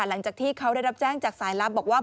หลังจากที่เขาได้รับแจ้งจากสายลับบอกว่า